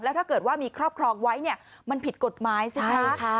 ถ้าเกิดว่ามีครอบครองไว้เนี่ยมันผิดกฎหมายใช่ไหมคะ